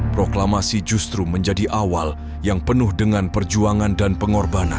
proklamasi justru menjadi awal yang penuh dengan perjuangan dan pengorbanan